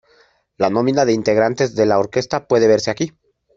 La nómina de integrantes de la Orquesta puede verse aquí.